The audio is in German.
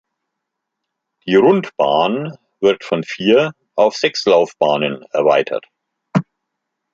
Die Rundbahn wird von vier auf sechs Laufbahnen erweitert.